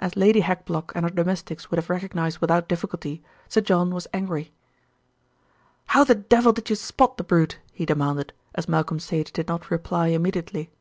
As Lady Hackblock and her domestics would have recognised without difficulty, Sir John was angry. "How the devil did you spot the brute?" he demanded, as Malcolm Sage did not reply immediately.